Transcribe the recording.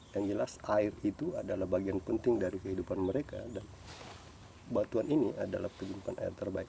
yang jelas air itu adalah bagian penting dari kehidupan mereka dan batuan ini adalah penyembuhan air terbaik